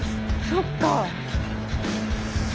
そっか。